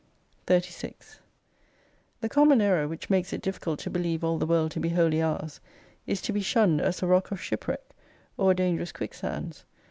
24 i6 The common enor which makes it difficult to believe all the "World to be wholly ours, is to be shtmned as a rock of shipwreck : or a dangerous quicksands.